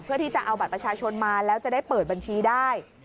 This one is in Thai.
เพื่อที่จะเอาบัตรประชาชนมาแล้วจะได้เปิดบัญชีได้